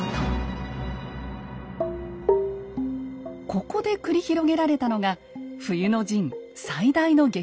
ここで繰り広げられたのが冬の陣最大の激戦です。